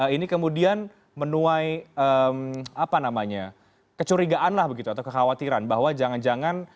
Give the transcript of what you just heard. ini kemudian menuai kecurigaan atau kekhawatiran bahwa jangan jangan